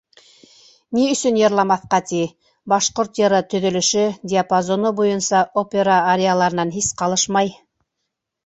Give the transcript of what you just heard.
Ни өсөн йырламаҫҡа ти, башҡорт йыры төҙөлөшө, диапазоны буйынса опера арияларынан һис ҡалышмай.